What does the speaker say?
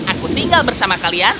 aku tinggal bersama kalian